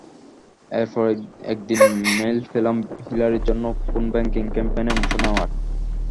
এরপর একদিন মেইল পেলাম হিলারির জন্য ফোন ব্যাংকিং ক্যাম্পেইনে অংশ নেওয়ার।